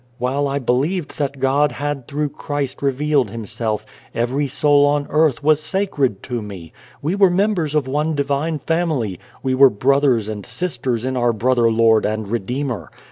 While I believed that God had through Christ revealed Himself, every soul on earth was sacred to me. We were members of one divine family. We were brothers and sisters in our Brother Lord and Redeemer.